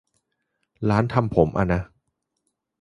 ร้านทำผมอ่ะนะ